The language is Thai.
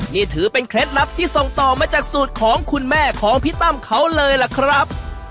นี่ถือเป็นเคล็ดลับที่ส่งต่อมาจากสูตรของคุณแม่ของพี่ตั้มเขาเลยล่ะครับ